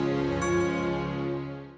tunggu aku mau